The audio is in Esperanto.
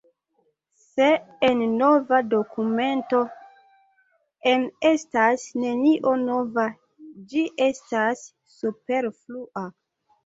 Se en nova dokumento enestas nenio nova, ĝi estas superflua.